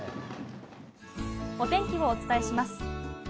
お天気をお伝えします。